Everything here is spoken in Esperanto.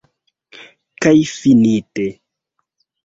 Kaj finite.